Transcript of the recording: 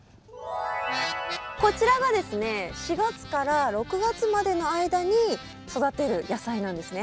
こちらがですね４月から６月までの間に育てる野菜なんですね。